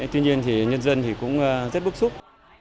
tuy nhiên thì nhân dân thì cũng rất bức xúc